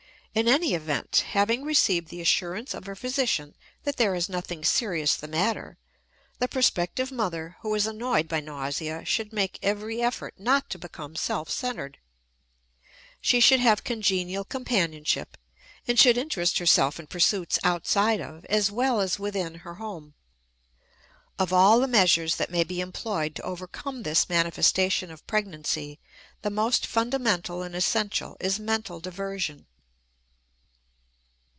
In any event, having received the assurance of her physician that there is nothing serious the matter, the prospective mother who is annoyed by nausea should make every effort not to become self centered. She should have congenial companionship and should interest herself in pursuits outside of, as well as within, her home. Of all the measures that may be employed to overcome this manifestation of pregnancy the most fundamental and essential is mental diversion.